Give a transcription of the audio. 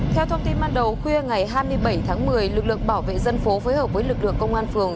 theo thông tin ban đầu khuya ngày hai mươi bảy tháng một mươi lực lượng bảo vệ dân phố phối hợp với lực lượng công an phường